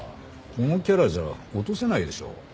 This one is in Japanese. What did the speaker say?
このキャラじゃ落とせないでしょ。